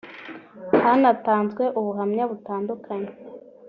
Hanatanzwe ubuhamya butandukanye